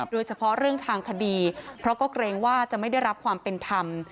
โดยเฉพาะเรื่องทางคดีเพราะก็เกรงว่าจะไม่ได้รับความเป็นธรรม